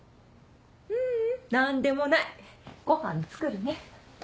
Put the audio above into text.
ううん何でもないごはん作るね。